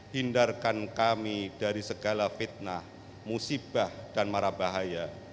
hindarkan kami dari segala fitnah musibah dan marah bahaya